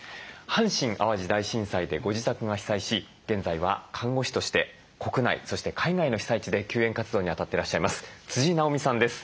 阪神・淡路大震災でご自宅が被災し現在は看護師として国内そして海外の被災地で救援活動にあたってらっしゃいます直美さんです。